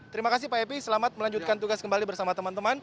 terima kasih pak epi selamat melanjutkan tugas kembali bersama teman teman